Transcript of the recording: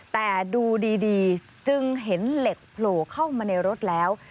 แต่ดูดีจึงเห็นเหล็กโผล่เข้ามาในรถแล้ว